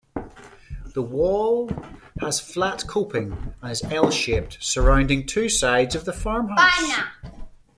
The wall has flat coping and is L-shaped, surrounding two sides of the farmhouse.